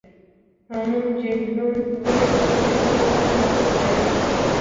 هامون جهیلونه ولې د چاپیریال لپاره مهم دي؟